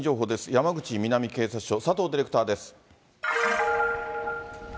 山口南警察署、佐藤ディレクターです。